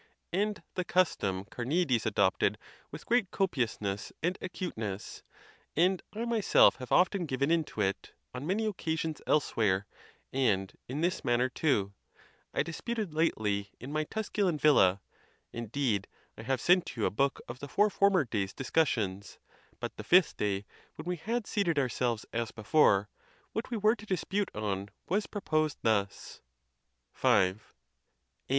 And the custom Carneades adopted with great copiousness and acuteness, and I myself have often given in to it on many occasions elsewhere, and in this manner, too, I dis uted lately, in my Tusculan villa; indeed,I have sent you a book of the four former days' discussions; but the fifth day, when we had seated ourselves as before, what we were to dispute on was proposed thus: V. A.